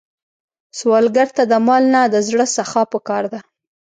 سوالګر ته د مال نه، د زړه سخا پکار ده